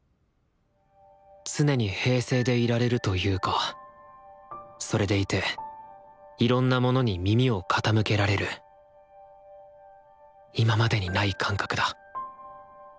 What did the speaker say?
常に平静でいられるというかそれでいていろんなものに耳を傾けられる今までにない感覚だ。